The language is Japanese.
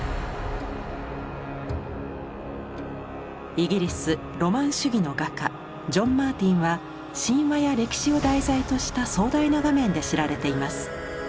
イギリスロマン主義の画家ジョン・マーティンは神話や歴史を題材とした壮大な画面で知られています。